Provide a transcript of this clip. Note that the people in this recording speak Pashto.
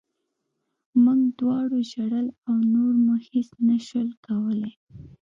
موږ دواړو ژړل او نور مو هېڅ نه شول کولی